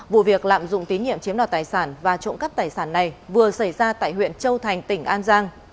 vụ việc lạm dụng tín nhiệm chiếm đoạt tài sản và trộm cắp tài sản này vừa xảy ra tại huyện châu thành tỉnh an giang